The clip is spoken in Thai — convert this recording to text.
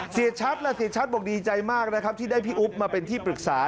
เสียชัดและเสียชัดบอกดีใจมากนะครับที่ได้พี่อุ๊บมาเป็นที่ปรึกษา